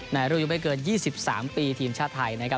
ในรุ่นยุ่งไม่เกิน๒๓ปีทีมชาวไทยนะครับ